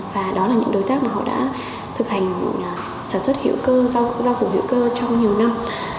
và đó là những đối tác mà họ đã thực hành sản xuất hữu cơ rau củ hữu cơ trong nhiều năm